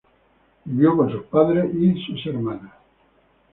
Vivió con sus padres y sus hermanas.